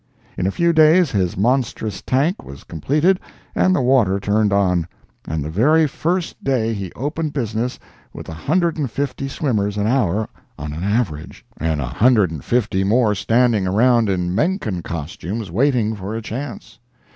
In a few days his monstrous tank was completed and the water turned on, and the very first day he opened business with a hundred and fifty swimmers an hour on an average, and a hundred and fifty more standing around in Menken costume waiting for a chance.